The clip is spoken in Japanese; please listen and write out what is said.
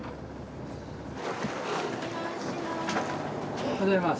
おはようございます。